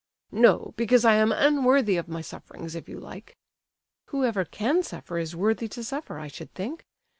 "No; because I am unworthy of my sufferings, if you like!" "Whoever can suffer is worthy to suffer, I should think.